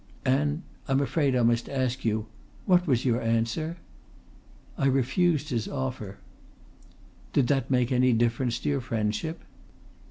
"And I'm afraid I must ask you what was your answer?" "I refused his offer." "Did that make any difference to your friendship?"